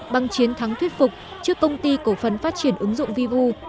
bằng chiến thắng thuyết phục trước công ty cổ phần phát triển ứng dụng vivu